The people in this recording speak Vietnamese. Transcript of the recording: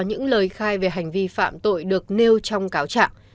những lời khai về hành vi phạm tội được nêu trong cáo trạng